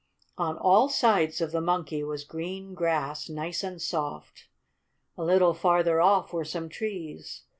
On all sides of the Monkey was green grass, nice and soft. A little farther off were some trees.